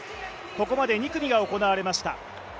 ここまで２組が行われました。